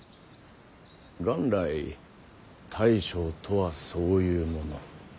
元来大将とはそういうもの。